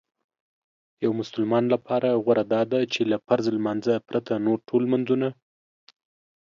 یو مسلمان لپاره غوره داده چې له فرض لمانځه پرته نور ټول لمنځونه